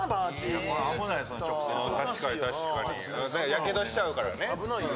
やけどしちゃうからね。